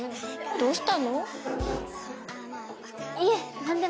どうした？